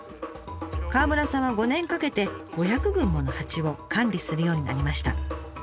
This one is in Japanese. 川村さんは５年かけて５００群もの蜂を管理するようになりました。